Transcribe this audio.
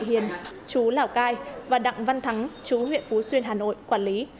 hiền chú lào cai và đặng văn thắng chú huyện phú xuyên hà nội quản lý